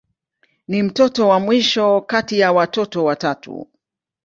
Ni mtoto wa mwisho kati ya watoto watatu.